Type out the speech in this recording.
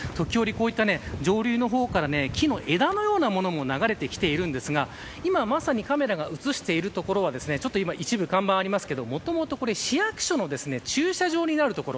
時折、上流の方から木の枝のようなものも流れてきていますが今まさにカメラが映している所は一部看板がありますがもともと市役所の駐車場になる所。